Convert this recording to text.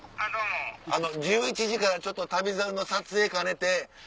１１時から『旅猿』の撮影兼ねて。